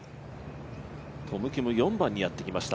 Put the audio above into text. トム・キム、４番にやってきました。